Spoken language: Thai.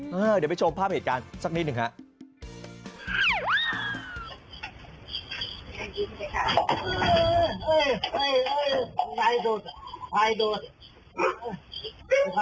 เดี๋ยวไปชมภาพเหตุการณ์สักนิดหนึ่งครับ